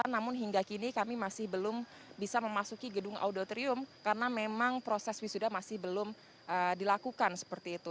namun hingga kini kami masih belum bisa memasuki gedung audotrium karena memang proses wisuda masih belum dilakukan seperti itu